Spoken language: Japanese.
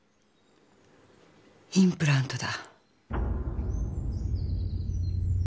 インプラントだ。